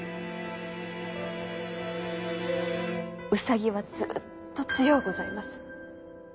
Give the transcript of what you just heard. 兎はずっと強うございます。